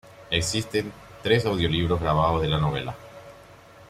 Existen tres audiolibros grabados de la novela.